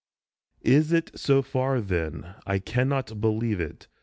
Is it so far then ? I cannot believe it.